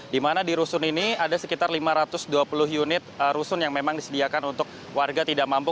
di mana di rusun ini ada sekitar lima ratus dua puluh unit rusun yang memang disediakan untuk warga tidak mampu